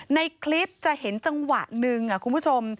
ในคลิปจะเห็นจังหวะหนึ่งคุณผู้ชม